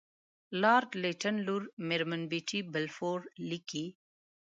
لارډ لیټن لور میرمن بیټي بالفور لیکي.